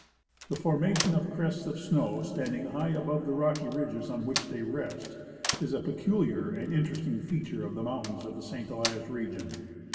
The formation of crests of snow standing high above the rocky ridges on which they rest is a peculiar and interesting feature of the mountains of the St. Elias region.